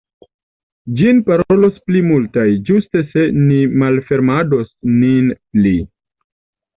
Ĝin parolos pli multaj ĝuste se ni malfermados nin pli!